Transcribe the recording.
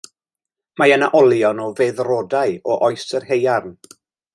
Mae yna olion o feddrodau o Oes yr Haearn.